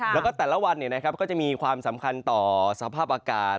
แล้วก็แต่ละวันเนี่ยนะครับก็จะมีความสำคัญต่อสภาพอากาศ